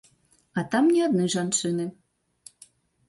А там не адны жанчыны.